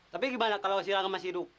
tapi gimana kalau si rangga masih hidup